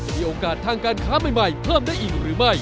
มีโอกาสทางการค้าใหม่เพิ่มได้อีกหรือไม่